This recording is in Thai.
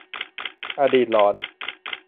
อดีตหลอน